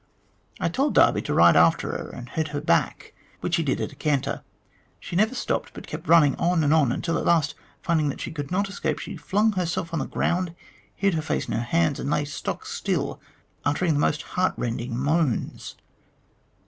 I told Darby to ride after her and " head her back," which he did at a canter. She never stopped, but kept running on and on, until at last, finding that she could not escape, she flung herself on the ground, hid her face in her hands, and lay stock still, uttering the most heart rending moans.